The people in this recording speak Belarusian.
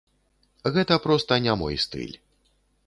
Гэта проста не мой стыль.